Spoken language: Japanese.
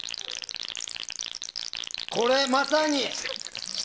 これ、まさに！